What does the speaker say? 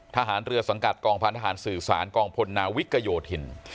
ทหารเรือสังกัดกองพันธหารสื่อสารกองพลนาวิกโยธิน